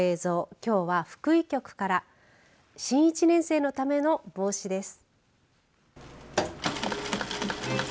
きょうは福井局から新１年生のための帽子です。